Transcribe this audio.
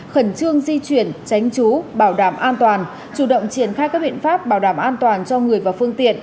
khẩn trương di chuyển tránh trú bảo đảm an toàn chủ động triển khai các biện pháp bảo đảm an toàn cho người và phương tiện